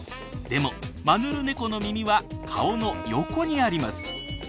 でもマヌルネコの耳は顔の横にあります。